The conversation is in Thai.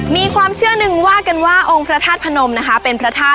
มีความเชื่อหนึ่งว่ากันว่าองค์พระธาตุพนมนะคะ